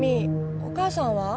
お母さんは？